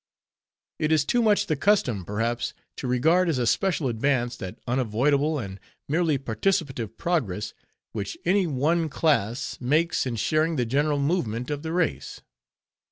It is too much the custom, perhaps, to regard as a special advance, that unavoidable, and merely participative progress, which any one class makes in sharing the general movement of the race.